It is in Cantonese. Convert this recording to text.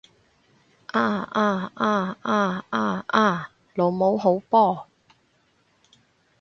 啊啊啊啊啊啊！老母好波！